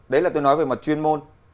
đấy là tôi nói về mặt chuyên môn